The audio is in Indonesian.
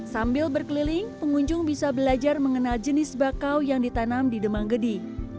sambil berkeliling pengunjung bisa belajar mengenal jenis bakau yang ditanam di demanggedi